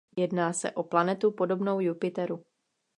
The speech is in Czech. Jedná se o planetu podobnou Jupiteru.